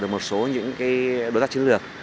một số những cái đối tác chiến lược